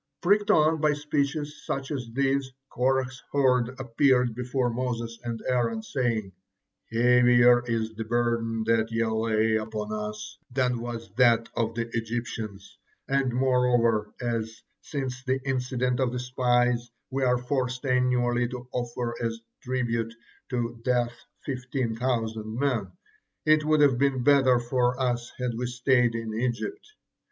Pricked on by speeches such as these, Korah's horde appeared before Moses and Aaron, saying: "Heavier is the burden that ye lay upon us than was that of the Egyptians; and moreover as, since the incident of the spies, we are forced annually to offer as a tribute to death fifteen thousand men, it would have been better for us had we stayed in Egypt."